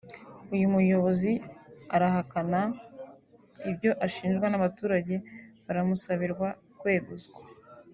uyu muyobozi uhakanana ibyo ashinjwa n’ abaturage baramusabirwa kweguzwa